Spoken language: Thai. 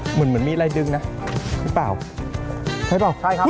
เหมือนมีมีดไร่ดึงนะครับ